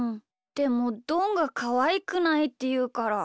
でもどんが「かわいくない」っていうから。